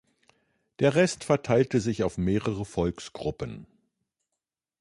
Der Rest verteilte sich auf mehrere Volksgruppen.